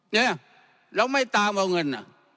เนี่ยแล้วไม่ตามเอาเงิน